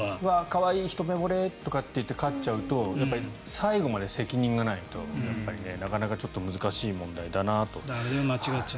可愛い、ひと目ぼれとかで飼っちゃうとやっぱり最後まで責任がないとなかなかちょっと難しい問題だなと。